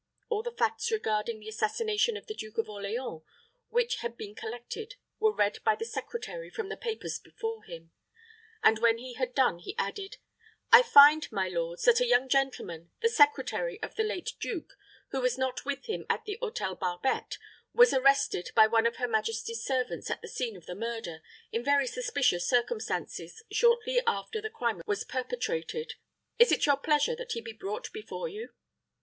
All the facts regarding the assassination of the Duke of Orleans which had been collected were read by the secretary from the papers before him; and when he had done, he added, "I find, my lords, that a young gentleman, the secretary of the late duke, who was not with him at the Hôtel Barbette, was arrested by one of her majesty's servants at the scene of the murder, in very suspicious circumstances, shortly after the crime was perpetrated. Is it your pleasure that he be brought before you?"